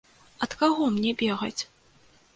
Ад каго мне бегаць?